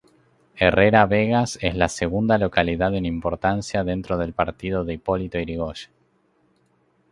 Herrera Vegas es la segunda localidad en importancia dentro del partido de Hipólito Yrigoyen.